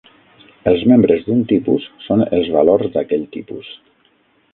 Els membres d'un tipus són els valors d'aquell tipus.